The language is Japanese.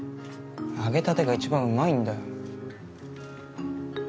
揚げたてがいちばんうまいんだよ。